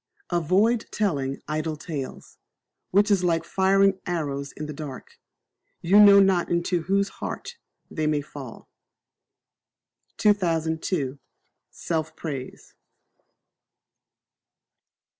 Avoid telling Idle Tales, which is like firing arrows in the dark: you know not into whose heart they may fall. 2002. Self Praise.